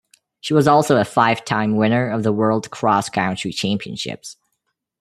She was also a five-time winner of the World Cross Country Championships.